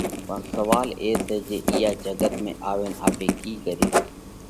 پڻ سوئال اي سئہ جي اِيئا جڳت ۾ آوينَ آپي ڪِي ڪريو؟